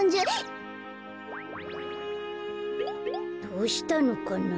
どうしたのかな。